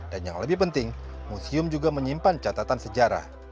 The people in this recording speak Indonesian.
dan yang lebih penting musium juga menyimpan catatan sejarah